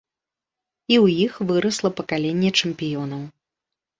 І ў іх вырасла пакаленне чэмпіёнаў.